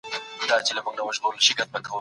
کورنۍ پلان نیولی و.